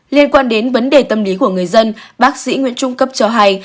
liên quan đến vấn đề tâm lý của người dân bác sĩ nguyễn trung cấp cho hay